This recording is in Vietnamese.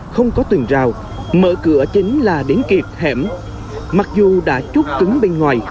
không có tuyển rào mở cửa chính là đến kiệt hẻm mặc dù đã chút cứng bên ngoài